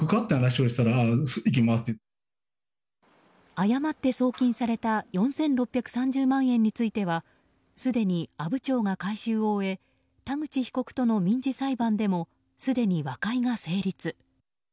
誤って送金された４６３０万円についてはすでに阿武町が回収を終え田口被告との民事裁判でもすでに和解が成立。